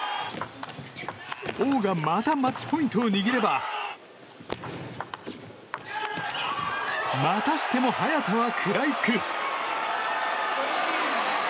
オウがまたマッチポイントを握ればまたしても早田が食らいつく。